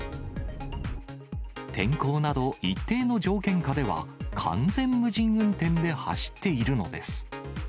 天候など一定の条件下では、完全無人運転で走っているのです。